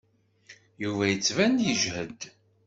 Yuba yettban-d yejhed.